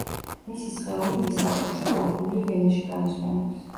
მისი სხეული ლისაბონში, ხოლო გული ვენაში განისვენებს.